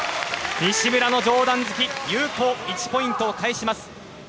西村の上段突き１ポイントを返します。